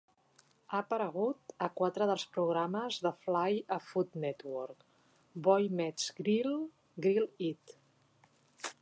Ha aparegut a quatre dels programes de Flay a Food Network: "Boy Meets Grill", "Grill it!".